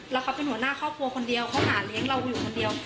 แล้วเขาเป็นหัวหน้าครอบครัวคนเดียวเขาหาเลี้ยงเราอยู่คนเดียว